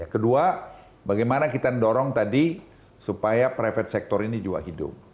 kedua bagaimana kita mendorong tadi supaya private sector ini juga hidup